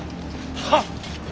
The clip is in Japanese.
はっ！